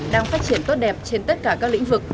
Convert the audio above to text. đang phát triển tốt đẹp trên tất cả các lĩnh vực